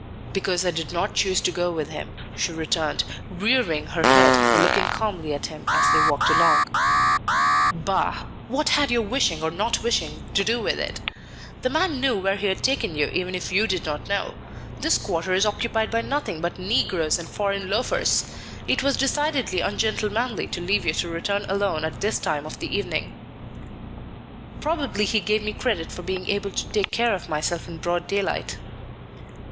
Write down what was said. "Because I did not choose to go with him," she returned, rearing her head and looking calmly at him as they walked along. "Bah! What had your wishing or not wishing to do with it? The man knew where he had taken you even if you did not know. This quarter is occupied by nothing but negroes and foreign loafers. It was decidedly ungentlemanly to leave you to return alone at this time of the evening." "Probably he gave me credit for being able to take care of myself in broad daylight."